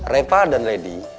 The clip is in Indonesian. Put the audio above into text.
reva dan lady